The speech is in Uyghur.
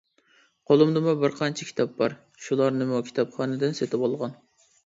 قولۇمدىمۇ بىر قانچە كىتاب بار شۇلارنىمۇ كىتابخانىدىن سېتىۋالغان.